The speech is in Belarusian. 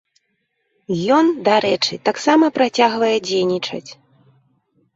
Ён, дарэчы, таксама працягвае дзейнічаць.